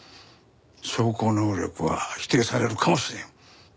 証拠能力は否定されるかもしれん。